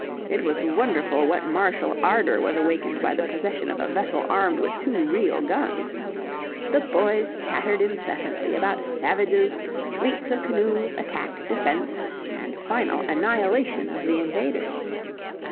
It was wonderful what martial ardor was awakened by the possession of a vessel armed with two real guns. The boys chattered incessantly about savages, fleets of canoes, attack, defense, and final annihilation of the invaders.